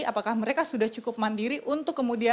apakah mereka sudah cukup mandiri untuk kemudian